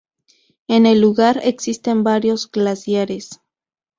En el lugar existen varios glaciares.